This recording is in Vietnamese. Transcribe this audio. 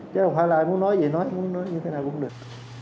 chứ không phải là muốn nói vậy nói muốn nói như thế nào cũng được